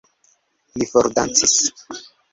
Li fordancis.